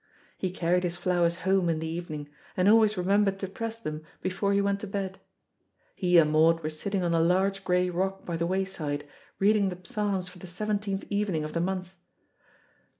He carried his flowers home in the evening, and always remembered to press them before he went to bed. He and Maud were sitting on a large grey rock by the wayside, reading the Psalms for the seventeenth evening of the month.